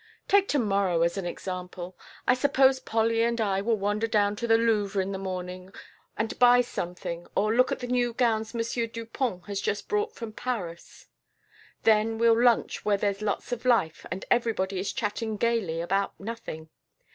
Take to morrow as an example: I suppose Polly and I will wander down to The Louvre in the morning and buy something or look at the new gowns M. Dupont has just brought from Paris. "Then we'll lunch where there's lots of life and everybody is chatting gayly about nothing.